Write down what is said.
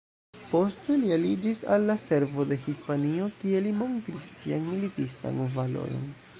Poste li aliĝis al la servo de Hispanio, kie li montris sian militistan valoron.